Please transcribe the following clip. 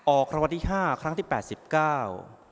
ออกคำวัติห้าครั้งที่แปดสิบเก้า